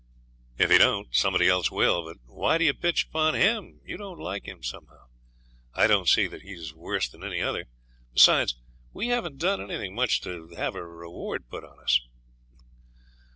'If he don't somebody else will; but why do you pitch upon him? You don't like him somehow; I don't see that he's worse than any other. Besides, we haven't done anything much to have a reward put on us.'